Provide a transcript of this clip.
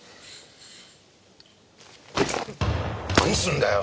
何すんだよ！